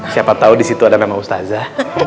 siapa tahu di situ ada nama ustadzah